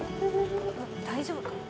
大丈夫か？